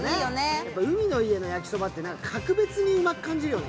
海の家の焼きそばって格別にうまく感じるよね。